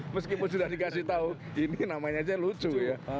meskipun sudah dikasih tahu ini namanya aja lucu ya